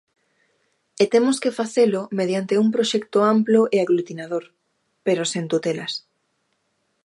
E temos que facelo mediante un proxecto amplo e aglutinador pero sen tutelas.